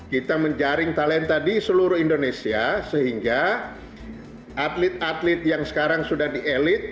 kita menjaring talenta di seluruh indonesia sehingga atlet atlet yang sekarang sudah di elit